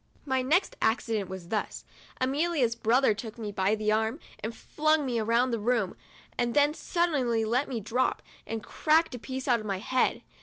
79 My next accident was thus: Amelia's brother took me by the arm and flung me round the room, and then suddenly let me drop, and cracked a piece out of my head.